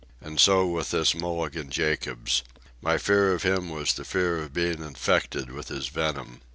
And so with this Mulligan Jacobs. My fear of him was the fear of being infected with his venom.